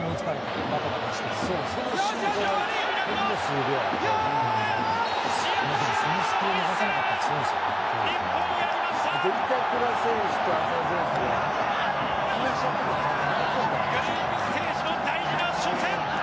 グループステージの大事な初戦